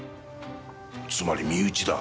つまり身内だ。